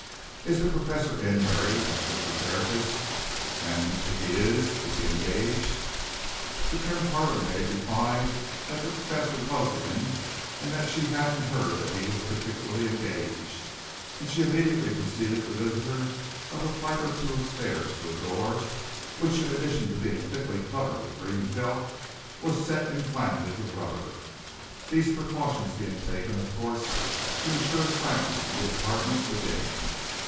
"Is the Professor in, Mary?" asked Mr. Tertius. "And if he is, is he engaged?" The trim parlourmaid replied that the Professor was in, and that she hadn't heard that he was particularly engaged, and she immediately preceded the visitor up a flight or two of stairs to a door, which in addition to being thickly covered with green felt, was set in flanges of rubber these precautions being taken, of course, to ensure silence in the apartment within.